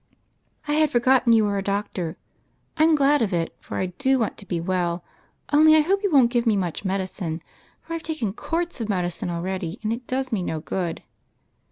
^" I had forgotten you were a doctor. I 'm glad of it, for I do want to be well, only I hope you won't give me much medicine, for I've taken quarts already, and it does me no good."